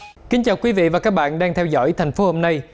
xin kính chào quý vị và các bạn đang theo dõi thành phố hôm nay